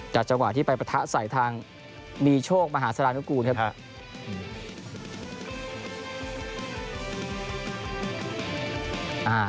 จังหวะที่ไปปะทะใส่ทางมีโชคมหาสารนุกูลครับ